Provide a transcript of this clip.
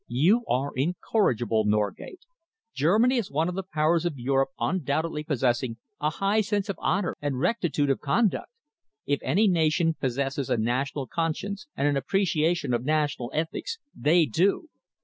"You are incorrigible, Norgate! Germany is one of the Powers of Europe undoubtedly possessing a high sense of honour and rectitude of conduct. If any nation possesses a national conscience, and an appreciation of national ethics, they do.